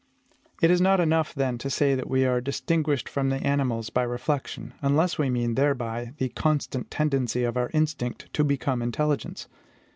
It is not enough, then, to say that we are distinguished from the animals by reflection, unless we mean thereby the CONSTANT TENDENCY OF OUR INSTINCT TO BECOME INTELLIGENCE.